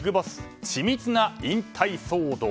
緻密な引退騒動。